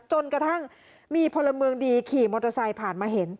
จนกระทั่งมีพลเมืองดีขี่มอเตอร์ไซค์ผ่านมาเห็น